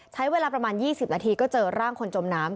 ใช้เวลาประมาณ๒๐นาทีก็เจอร่างคนจมน้ำ